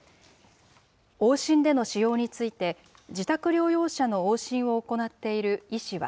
往診での使用について、自宅療養者の往診を行っている医師は。